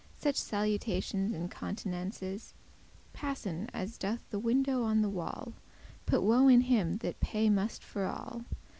Such salutations and countenances Passen, as doth the shadow on the wall; Put woe is him that paye must for all.